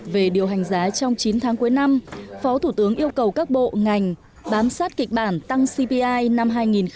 về điều hành giá trong chín tháng cuối năm phó thủ tướng yêu cầu các bộ ngành bám sát kịch bản tăng cpi năm hai nghìn hai mươi